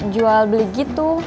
jual beli gitu